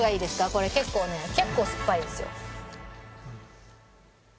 これ結構ね結構すっぱいですよ。